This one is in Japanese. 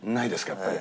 やっぱり。